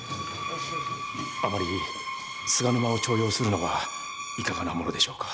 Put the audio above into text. あまり菅沼を重用するのはいかがなものでしょうか？